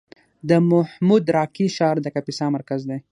د محمود راقي ښار د کاپیسا مرکز دی